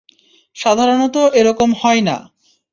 সাধারণত এরকম হয় না।